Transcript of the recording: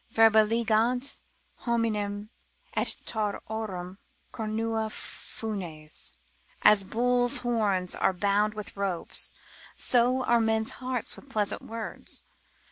Verba ligant hominem, ut taurorum cornua funes, as bulls' horns are bound with ropes, so are men's hearts with pleasant words.